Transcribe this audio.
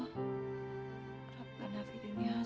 ya allah berikanlah kami ketabahan